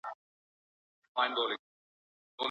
که خاوند طلاق په يو عمل پوري شرط کړي.